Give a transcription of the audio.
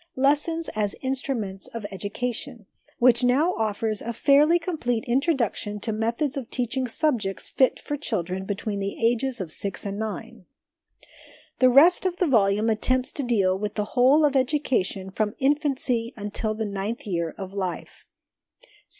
Lessons as Instruments of Education,' which now offers a fairly complete intro duction to methods of teaching subjects fit for children between the ages of six and nine. The rest of the volume attempts to deal with the whole of education from infancy until the ninth year of life.